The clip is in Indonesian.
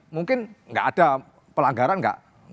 mungkin enggak ada pelanggaran enggak